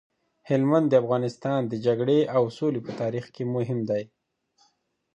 هلمند د افغانستان د جګړې او سولې په تاریخ کي مهم دی.